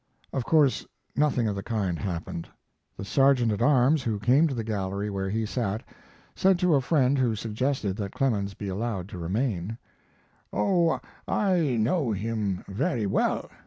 Of course nothing of the kind happened. The sergeant at arms, who came to the gallery where he sat, said to a friend who suggested that Clemens be allowed to remain: "Oh, I know him very well.